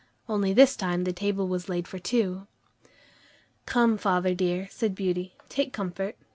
Only this time the table was laid for two. "Come, father dear," said Beauty, "take comfort.